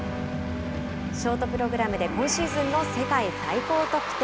ショートプログラムで今シーズンの世界最高得点。